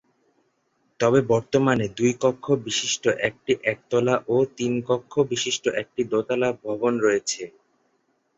তবে বর্তমানে দুই কক্ষ বিশিষ্ট একটি একতলা ও তিন কক্ষ বিশিষ্ট একটি দোতলা ভবন রয়েছে।